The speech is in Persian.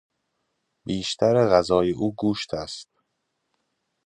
بیشتر غذای او گوشت است